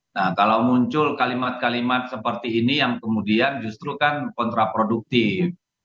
nah kalau muncul kalimat kalimat seperti ini yang kemudian justru kan kontraproduktif